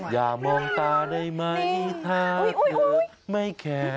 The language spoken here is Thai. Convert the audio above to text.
อย่ามองตาได้ไหมถ้าหัวไม่แข็ง